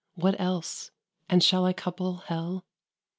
What else? And shall I couple hell?"